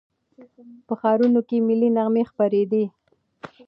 په ښارونو کې ملي نغمې خپرېدې.